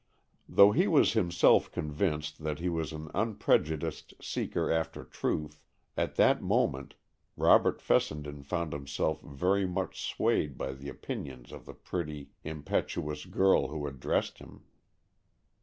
Though he was himself convinced that he was an unprejudiced seeker after truth, at that moment Robert Fessenden found himself very much swayed by the opinions of the pretty, impetuous girl who addressed him.